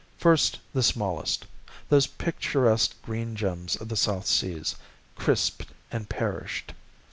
First the smallest, those picturesque green gems of the South Seas, crisped and perished.